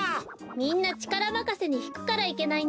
みんなちからまかせにひくからいけないんですよ。